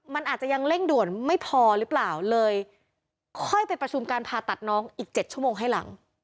มันอาจจะยังเร่งด่วนไม่พอหรือเปล่าเลยค่อยไปประชุมการผ่าตัดน้องอีก๗ชั่วโมงให้หลัง